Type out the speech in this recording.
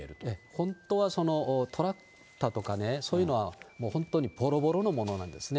本当はそのトラクターとかね、そういうのは本当にぼろぼろのものなんですね。